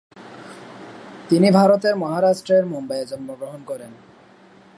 তিনি ভারতের মহারাষ্ট্রের মুম্বাইয়ে জন্মগ্রহণ করেন।